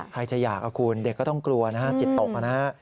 ใครจะอยากคุณเด็กก็ต้องกลัวนะฮะจิตตกนะฮะ